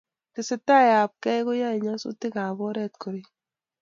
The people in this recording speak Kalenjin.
Tesetai ab kei ko yae nyasutik ab oret ko rek